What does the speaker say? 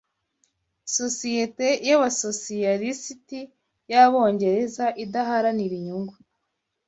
Sosiyete y'Abasosiyalisiti y'Abongereza idaharanira inyungu